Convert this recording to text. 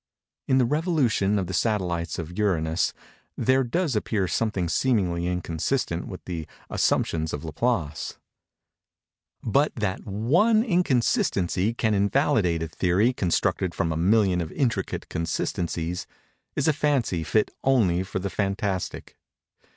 In the revolution of the satellites of Uranus, there does appear something seemingly inconsistent with the assumptions of Laplace; but that one inconsistency can invalidate a theory constructed from a million of intricate consistencies, is a fancy fit only for the fantastic.